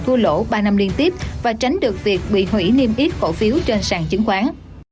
thua lỗ ba năm liên tiếp và tránh được việc bị hủy niêm yết cổ phiếu trên sàn chứng khoán